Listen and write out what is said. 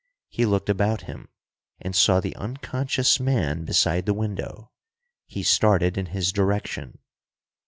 He looked about him, and saw the unconscious man beside the window. He started in his direction.